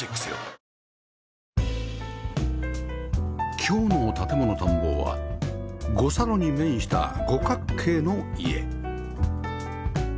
今日の『建もの探訪』は五差路に面した五角形の家